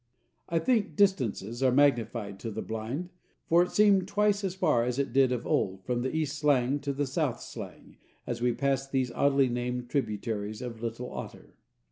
I think distances are magnified to the blind, for it seemed twice as far as it did of old from the East Slang to the South Slang, as we passed these oddly named tributaries of Little Otter.